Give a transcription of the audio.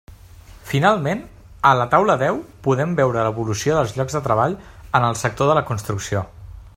Finalment, a la taula deu podem veure l'evolució dels llocs de treball en el sector de la construcció.